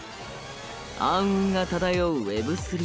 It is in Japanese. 暗雲が漂うＷｅｂ３。